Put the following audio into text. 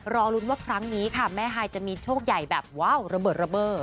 รอลุ้นว่าครั้งนี้แม่หายจะมีโชคใหญ่แบบว้าวระเบิด